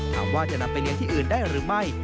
ถามว่าจะนำไปเลี้ยงที่อื่นได้หรือไม่